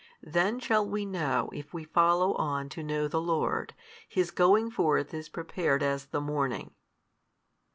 Then shall we know if we follow on to know the Lord; His going forth is prepared as the morning.